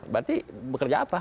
berarti bekerja apa